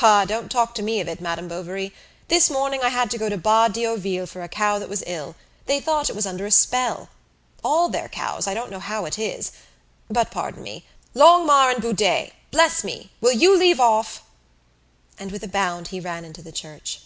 "Ah! don't talk to me of it, Madame Bovary. This morning I had to go to Bas Diauville for a cow that was ill; they thought it was under a spell. All their cows, I don't know how it is But pardon me! Longuemarre and Boudet! Bless me! Will you leave off?" And with a bound he ran into the church.